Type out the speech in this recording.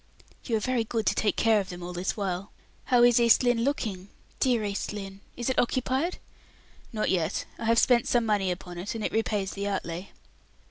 "You are very good to take care of them all this while. How is East Lynne looking? Dear East Lynne! Is it occupied?" "Not yet. I have spent some money upon it, and it repays the outlay."